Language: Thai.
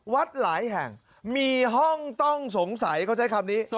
หลายแห่งมีห้องต้องสงสัยเขาใช้คำนี้